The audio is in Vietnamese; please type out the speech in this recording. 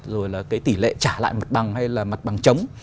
rồi là cái tỷ lệ trả lại mặt bằng hay là mặt bằng chống